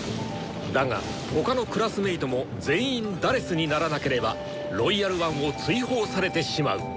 だが他のクラスメートも全員「４」にならなければ「ロイヤル・ワン」を追放されてしまう！